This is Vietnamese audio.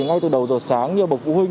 ngay từ đầu giờ sáng nhiều bậc phụ huynh